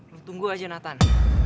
lo tunggu aja nathan